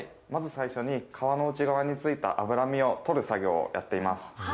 まず最初に、皮の内側についた脂身を取る作業をやっています。